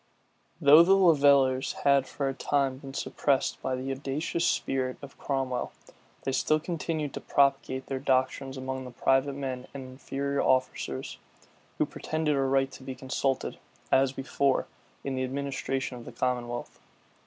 Though the levellers had for a time been suppressed by the audacious spirit of Cromwell, they still continued to propagate their doctrines among the private men and inferior officers, who pretended a right to be consulted, as before, in the administration of the commonwealth.